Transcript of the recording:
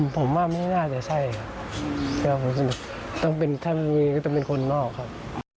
ผมว่าไม่น่าจะใช่ถ้ามีก็จะเป็นคนนอกครับ